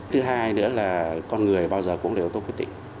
thứ hai nữa là con người bao giờ cũng đều tốt quyết định